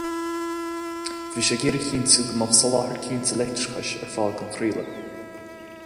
Bhí sé ag iarraidh a chinntiú go mbeadh soláthar cinnte leictreachais ar fáil don chraoladh.